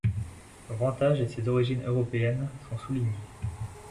Son grand âge et ses origines européennes sont soulignés.